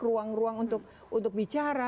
ruang ruang untuk bicara